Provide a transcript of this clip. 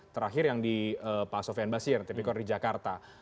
terakhir yang di pak subhan basir tipikor di jakarta